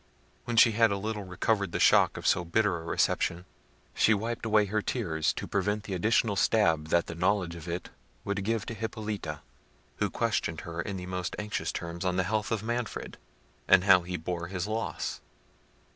When she had a little recovered the shock of so bitter a reception, she wiped away her tears to prevent the additional stab that the knowledge of it would give to Hippolita, who questioned her in the most anxious terms on the health of Manfred, and how he bore his loss.